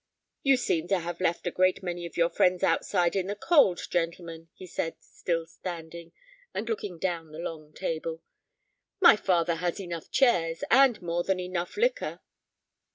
"You seem to have left a great many of your friends outside in the cold, gentlemen," he said, still standing, and looking down the long table; "my father has enough chairs, and more than enough liquor."